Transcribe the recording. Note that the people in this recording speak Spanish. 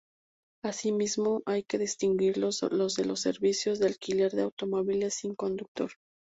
Asimismo, hay que distinguirlos de los servicios de alquiler de automóviles sin conductor.